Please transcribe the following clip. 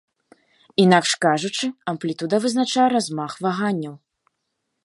Інакш кажучы, амплітуда вызначае размах ваганняў.